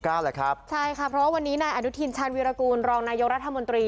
เกล้าหรอครับใช่ค่ะเพราะวันนี้นายอานุทินชาญวิรากูลรองนายกรรธมนตรี